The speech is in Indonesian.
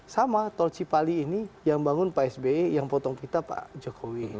sama tol cipali ini yang bangun pak sby yang potong kita pak jokowi